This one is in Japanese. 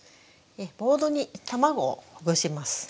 ボウルに卵をほぐします。